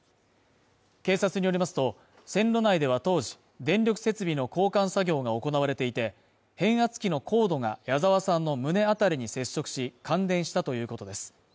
警察によりますと、線路内では当時、電力設備の交換作業が行われていて、変圧器のコードが谷澤さんの胸あたりに接触し感電したということです。